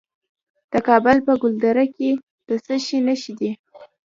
د کابل په ګلدره کې د څه شي نښې دي؟